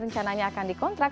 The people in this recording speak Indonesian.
rencananya akan dikontrak